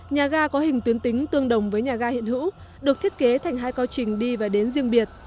nhà ga có hình tuyến tính tương đồng với nhà ga hiện hữu được thiết kế thành hai cao trình đi và đến riêng biệt